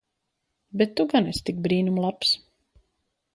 Bet tu gan esi tik brīnum labs.